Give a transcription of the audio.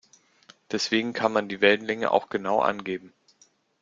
Deswegen kann man die Wellenlänge auch genau angeben.